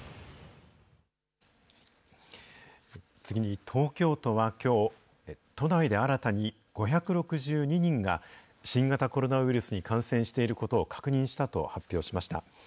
次に、東京都はきょう、都内で新たに５６２人が、新型コロナウイルスに感染していることを確認したと発表しました。